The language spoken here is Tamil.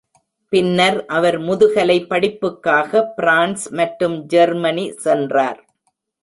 பின்னர் அவர் முதுகலை படிப்புக்காக பிரான்ஸ் மற்றும் ஜெர்மனி சென்றார்.